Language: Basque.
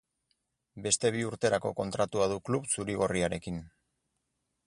Beste bi urterako kontratua du klub zuri-gorriarekin.